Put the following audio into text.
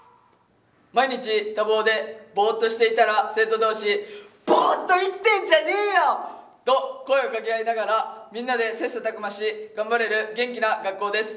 毎日多忙で、ボーッとしていたら生徒同士「ボーッと生きてんじゃねえよ」と声を掛け合いながら、みんなで切磋琢磨し頑張れる元気な学校です。